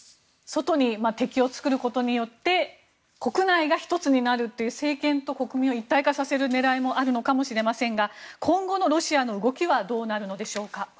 外に敵を作ることによって国内が１つになるという政権と国民を一体化させる狙いもあるのかもしれませんが今後のロシアの動きはどうなるのでしょうか。